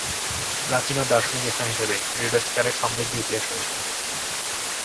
প্রাচীন ও দর্শনীয় স্থান হিসেবে রেড স্কয়ারের সমৃদ্ধ ইতিহাস রয়েছে।